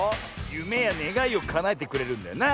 ゆめやねがいをかなえてくれるんだよな。